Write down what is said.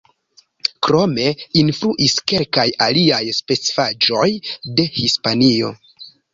Krome, influis kelkaj aliaj specifaĵoj de Hispanio.